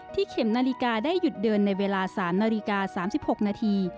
เข็มนาฬิกาได้หยุดเดินในเวลา๓นาฬิกา๓๖นาที